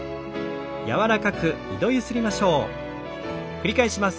繰り返します。